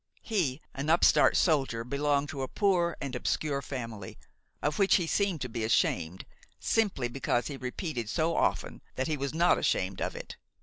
He, an upstart soldier, belonged to a poor and obscure family, of which he seemed to be ashamed, simply because he repeated so often that he was not ashamed of it.